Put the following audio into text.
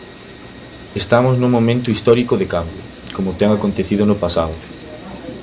Estamos nun momento histórico de cambio, como ten acontecido no pasado.